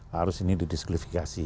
harus ini didiskolifikasi